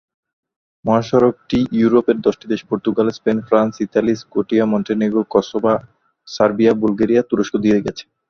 মহাসড়কটি ইউরোপ-এর দশটি দেশ পর্তুগাল, স্পেন, ফ্রান্স, ইতালি, স্কোটিয়া, মনটেনেগো, কোসভা, সারবিয়া, বুলগেরিয়া, তুরস্ক দিয়ে গেছে।